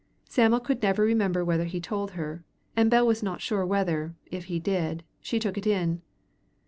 Sam'l could never remember whether he told her, and Bell was not sure whether, if he did, she took it in.